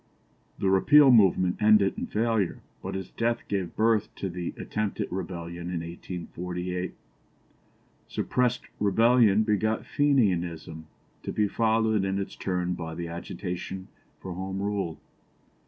The Repeal movement ended in failure, but its death gave birth to the attempted rebellion in 1848. Suppressed rebellion begot Fenianism, to be followed in its turn by the agitation for Home Rule.